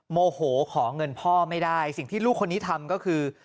โมโหขอเงินพ่อไม่ได้สิ่งที่ลูกคนนี้ทำก็คือ